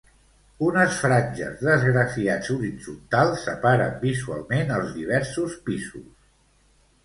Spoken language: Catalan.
Unes franges d'esgrafiats horitzontals separen visualment els diversos pisos.